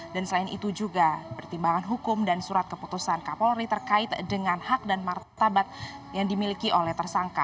dan selain itu juga pertimbangan hukum dan surat keputusan kapolri terkait dengan hak dan martabat yang dimiliki oleh tersangka